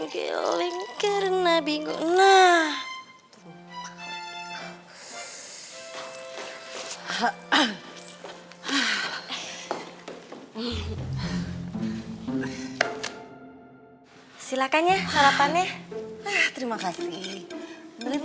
beli rotinya kesini